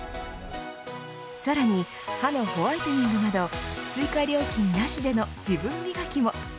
さらに歯のホワイトニングなど追加料金なしでの自分磨きも。